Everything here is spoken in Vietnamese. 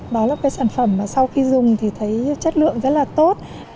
đó là cái sản phẩm mà sau khi dùng thì thấy chất lượng rất là tốt